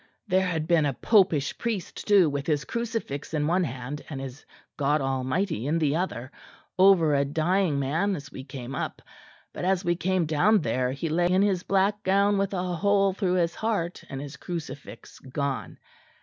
There had been a popish priest too with his crucifix in one hand and his god almighty in the other, over a dying man as we came up; but as we came down there he lay in his black gown with a hole through his heart and his crucifix gone.